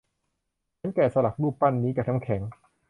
ฉันแกะสลักรูปปั้นนี้จากน้ำแข็ง